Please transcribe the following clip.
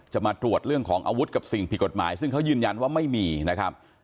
มาตรวจเรื่องของอาวุธกับสิ่งผิดกฎหมายซึ่งเขายืนยันว่าไม่มีนะครับ